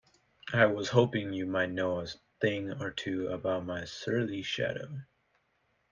I was hoping you might know a thing or two about my surly shadow?